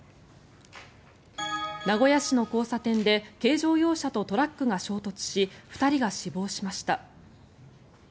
名古屋市の交差点で軽乗用車とトラックが衝突し２人が死亡しました。